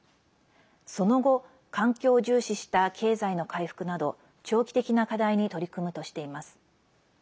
その後、環境を重視した経済の回復など長期的な課題に取り組むとしています。